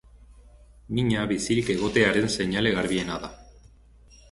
Mina bizirik egotearen seinale garbiena da.